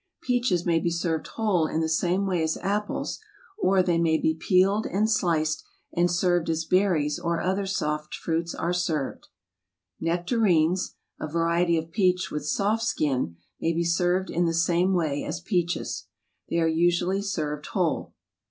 Peaches may be served whole in the same way as apples, or they may be peeled and sliced and served as berries or other soft fruits are served. Nectarines, a variety of peach with soft skin, may be served in the same way as peaches. They are usually served whole.